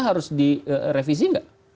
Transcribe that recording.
harus direvisi nggak